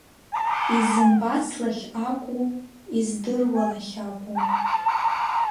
Изымбац лахь акәу, издыруа лахь акәу?